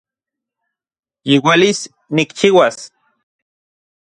Yiuelis nikchiuas